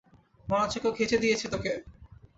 মনেহচ্ছে কেউ খেচে দিয়েছে তোকে?